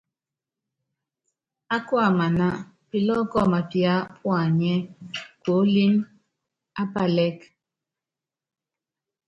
Á buiamaná, Piloko mápiá puanyɛ́ kuólín á pálɛ́k.